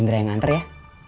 indra yang nganter ya